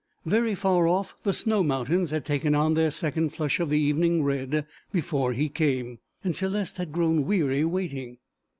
Very far off the snow mountains had taken on their second flush of evening red before he came, and Céleste had grown weary waiting.